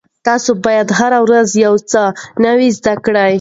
تاسو باید هره ورځ یو څه نوي زده کړئ.